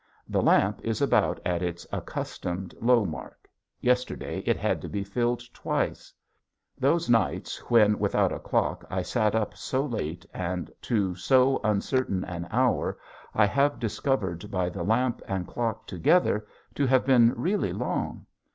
The lamp is about at its accustomed low mark yesterday it had to be filled twice! Those nights when without a clock I sat up so late and to so uncertain an hour I have discovered by the lamp and clock together to have been really long.